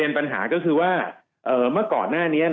ทางประกันสังคมก็จะสามารถเข้าไปช่วยจ่ายเงินสมทบให้๖๒